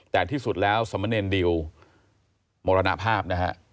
แต่ที่สุดแล้วสมเนรดิวมรณภาพนะฮะ